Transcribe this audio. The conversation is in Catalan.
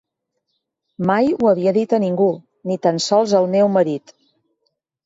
Mai ho havia dit a ningú, ni tan sols al meu marit.